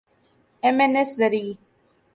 M N S زرعی